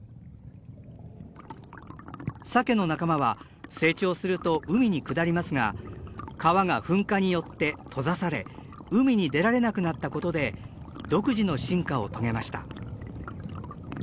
サケの仲間は成長すると海に下りますが川が噴火によって閉ざされ海に出られなくなったことで独自の進化を遂げました。